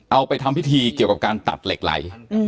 เอาไปทำพิธีเกี่ยวกับการตัดเหล็กไหล